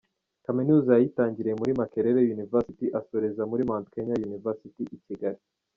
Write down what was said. Kaminuza yayitangiriye muri Makerere University asoreza muri Mount Kenya University i Kigali.